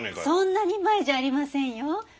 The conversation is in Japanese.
そんなに前じゃありませんよ